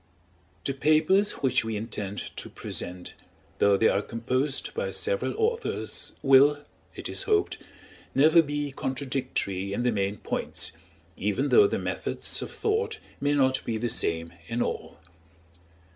The papers which we intend to present, though they are composed by several authors, will, it is hoped, never be contradictory in the main points, even though the methods of thought may not be the same in all.